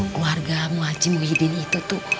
keluargamu aji muhyiddin itu tuh